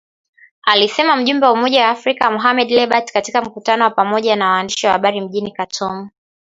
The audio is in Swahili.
Alisema mjumbe wa Umoja wa Afrika, Mohamed Lebatt katika mkutano wa pamoja na waandishi wa habari mjini Khartoum